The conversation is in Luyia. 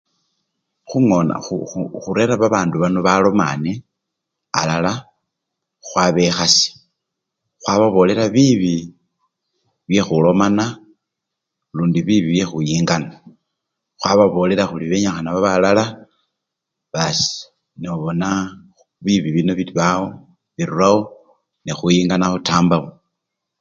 Khungona khu! khu! khurera babandu balomane alala, khwabekhasha khwababolela bibi byekhulomana lundi bibi bye khuyingana, khwababolela khuli benyikhana babe alala basi nobona bibi bino bibawo! birurawo nekhuyingana khutambawo.